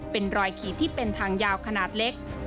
เป็นรอยขีดที่เป็นทางยาวขนาดเล็ก